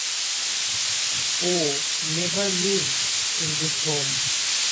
Poe never lived in this home.